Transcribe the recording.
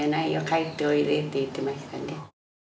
帰っておいでって言ってましたね